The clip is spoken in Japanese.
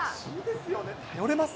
頼れます。